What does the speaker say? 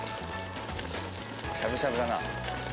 しゃぶしゃぶだな。